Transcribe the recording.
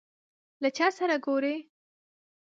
له چا سره ګورې ؟